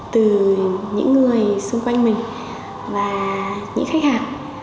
từ những người xung quanh mình và những khách hàng